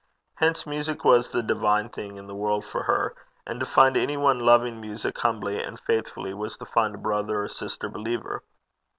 Hence music was the divine thing in the world for her; and to find any one loving music humbly and faithfully was to find a brother or sister believer.